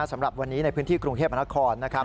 สำหรับวันนี้ในพื้นที่กรุงเทพมนครนะครับ